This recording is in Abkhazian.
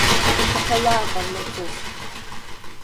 Ушәаҳәала, аҟармаҵыс!